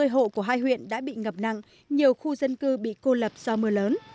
bốn trăm sáu mươi hộ của hai huyện đã bị ngập nặng nhiều khu dân cư bị cô lập do mưa lớn